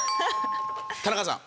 田中さん。